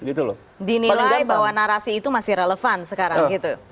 dinalai bahwa narasi itu masih relevan sekarang